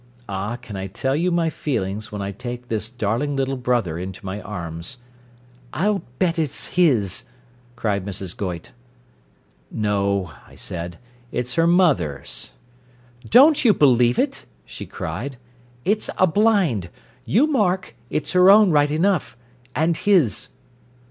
Ah, can I tell you my feelings when I take my darling little brother into my arms '" "I'll bet it's his," cried Mrs. Goyte. "No," I said. "It's her mother's." "Don't you believe it," she cried. "It's a blind. You mark, it's her own right enough and his."